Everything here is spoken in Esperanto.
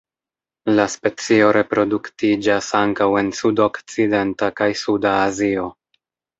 La specio reproduktiĝas ankaŭ en sudokcidenta kaj suda Azio.